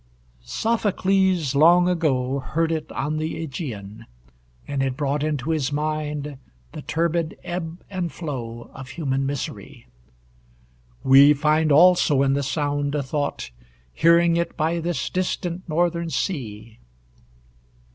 Sophocles long ago Heard it on the Aegean, and it brought Into his mind the turbid ebb and flow Of human misery; we Find also in the sound a thought, Hearing it by this distant northern sea.